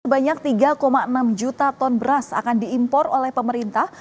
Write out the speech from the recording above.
sebanyak tiga enam juta ton beras akan diimpor oleh pemerintah